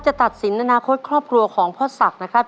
จะตัดสินค่อนข้อ๑๕๐๑ของพ่อสักนะครับ